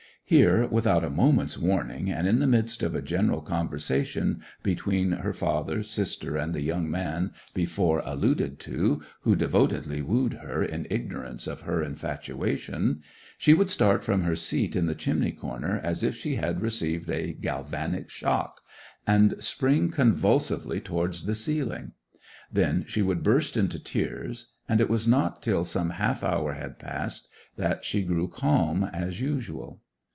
Here, without a moment's warning, and in the midst of a general conversation between her father, sister, and the young man before alluded to, who devotedly wooed her in ignorance of her infatuation, she would start from her seat in the chimney corner as if she had received a galvanic shock, and spring convulsively towards the ceiling; then she would burst into tears, and it was not till some half hour had passed that she grew calm as usual.